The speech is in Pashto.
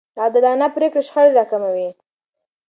عادلانه پرېکړې شخړې راکموي.